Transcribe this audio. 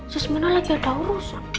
sebenernya lagi ada urusan